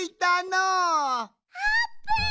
あーぷん！